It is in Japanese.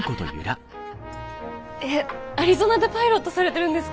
えっアリゾナでパイロットされてるんですか？